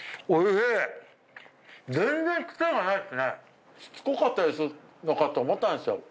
しつこかったりするのかと思ったんですよ。